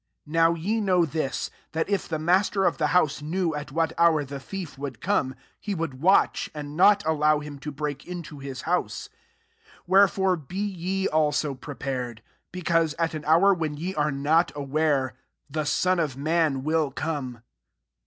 39 Now ye know this, Pht if the master of the house at what hour the thief come, he would watch, I not aUow him to hreak into lk>use. 40 Wherefore be ye prepared; because at an r when ye are not aware, the Mm of man will come."